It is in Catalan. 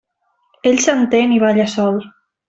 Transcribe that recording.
Ell s'entén i balla sol.